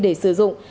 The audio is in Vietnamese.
để sử dụng